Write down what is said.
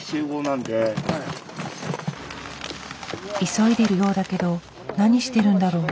急いでるようだけど何してるんだろう？